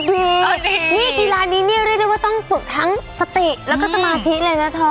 นี่กีฬานี้เนี่ยเรียกได้ว่าต้องฝึกทั้งสติแล้วก็สมาธิเลยนะเธอ